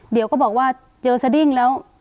เดี๋ยวก็บอกว่าเจอสดิ้งแล้ว